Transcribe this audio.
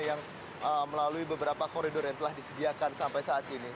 yang melalui beberapa koridor yang telah disediakan sampai saat ini